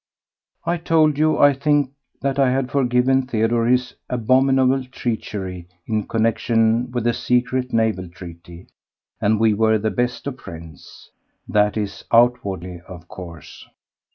I told you, I think, that I had forgiven Theodore his abominable treachery in connexion with the secret naval treaty, and we were the best of friends—that is, outwardly, of course.